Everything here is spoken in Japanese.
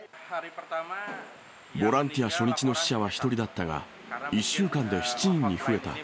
ボランティア初日の死者は１人だったが、１週間で７人に増えた。